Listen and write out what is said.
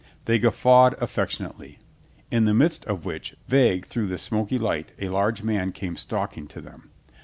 They guf fawed affectionately. In the midst of which, vague through the smoky light, a large man came stalk ing to them.